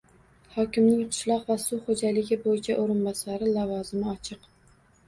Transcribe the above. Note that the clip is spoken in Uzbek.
Hokimning qishloq va suv xo'jaligi bo'yicha o'rinbosari lavozimi ochiq